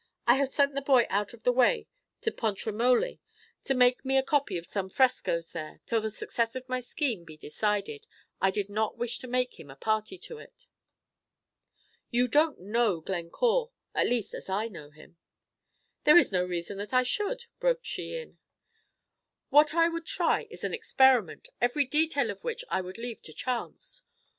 I have sent the boy out of the way to Pontremoli to make me a copy of some frescoes there; till the success of my scheme be decided, I did not wish to make him a party to it." "You don't know Glencore, at least as I know him." "There is no reason that I should," broke she in. "What I would try is an experiment, every detail of which I would leave to chance.